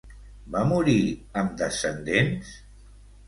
Va morir amb descendents?